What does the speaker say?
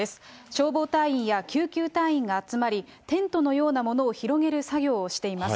消防隊員や救急隊員が集まり、テントのようなものを広げる作業をしています。